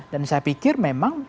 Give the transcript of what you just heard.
dan saya pikir memang